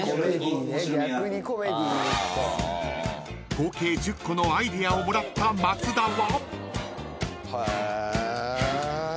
［合計１０個のアイデアをもらった松田は］